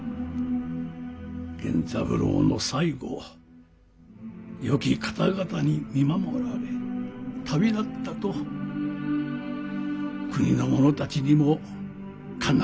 源三郎の最期はよき方々に見守られ旅立ったと故郷の者たちにも必ず伝え申す。